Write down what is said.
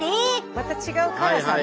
また違う辛さね。